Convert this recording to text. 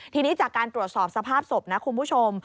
ทีนี้จากการตรวจสอบสภาพศพนะคุณผู้ชม